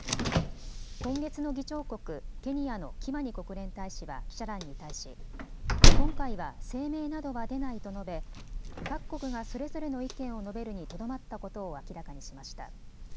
今月の議長国、ケニアのキマニ国連大使は記者団に対し今回は声明などは出ないと述べ各国がそれぞれの意見を述べるにとどまったことを明らかにしました。